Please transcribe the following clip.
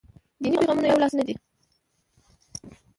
دیني پیغامونه یولاس نه دي.